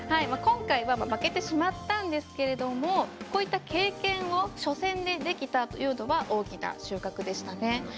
今回は負けてしまったんですけれどもこういった経験を初戦でできたというのは大きな収穫でしたね。